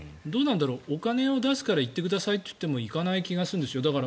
お金を出すから行ってくださいと言っても行かない気がするんですよ。